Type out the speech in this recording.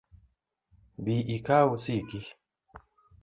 Bi ikaw osiki